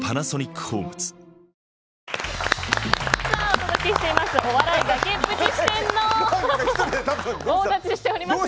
お届けしています